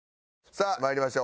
さあまいりましょう。